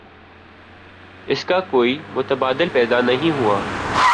اس کا کوئی متبادل پیدا نہیں ہوا۔